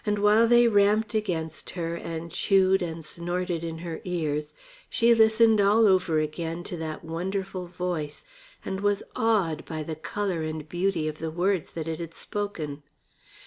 And while they ramped against her and chewed and snorted in her ears, she listened all over again to that wonderful voice and was awed by the colour and beauty of the words that it had spoken.